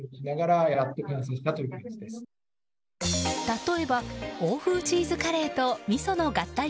例えば欧風チーズカレーと味噌の合体